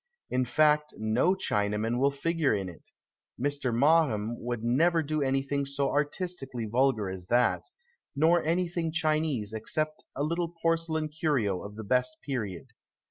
In fact, no Chinaman will figure in it — Mr. Maugham would never do anything so artistically vulgar as that — nor anything Chinese except a little porcelain curio of the best period.